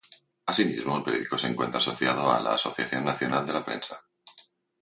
Asimismo, el periódico se encuentra asociado a la Asociación Nacional de la Prensa.